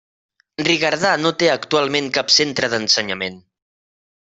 Rigardà no té actualment cap centre d'ensenyament.